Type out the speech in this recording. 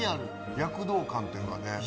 躍動感というかね。